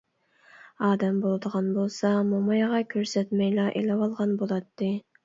ئادەم بولىدىغان بولسا، مومايغا كۆرسەتمەيلا ئېلىۋالغان بولاتتى.